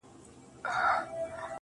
قربان د ډار له کيفيته چي رسوا يې کړم,